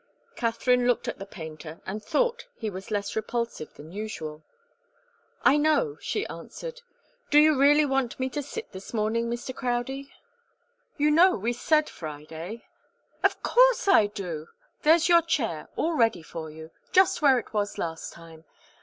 Katharine looked at the painter and thought he was less repulsive than usual. "I know," she answered. "Do you really want me to sit this morning, Mr. Crowdie? You know, we said Friday " "Of course I do! There's your chair, all ready for you just where it was last time.